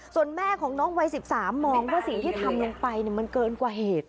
ส่วนแม่ของน้องวัย๑๓มองว่าสิ่งที่ทำลงไปมันเกินกว่าเหตุ